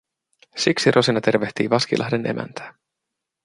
Siksi Rosina tervehtii Vaskilahden emäntää.